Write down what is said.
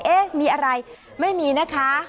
เอ๊ะมีอะไรไม่มีนะคะ